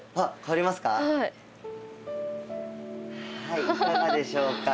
はいいかがでしょうか？